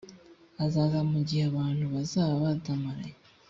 azaza mu gihe abantu bazaba badamaraye